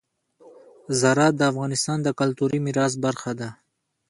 زراعت د افغانستان د کلتوري میراث برخه ده.